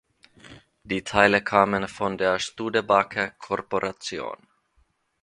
Die Teile kamen von der Studebaker Corporation.